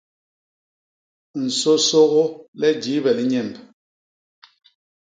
Nsôsôgô le jiibe li nyemb.